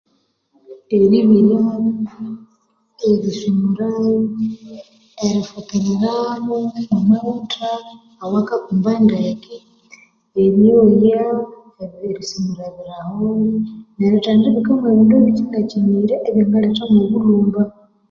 Eribirya eryoya erifukirira kandi neribika ebindu ebihenirye namawuta awakakumba ndeke